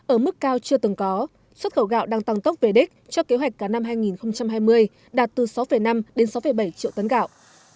ở mức cao chưa từng có xuất khẩu gạo đang tăng tốc về đích cho kế hoạch cả năm hai nghìn hai mươi đạt từ sáu năm đến sáu bảy triệu tấn gạo